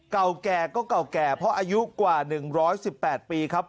เก่าแก่ก็เก่าแก่เพราะอายุกว่า๑๑๘ปีครับ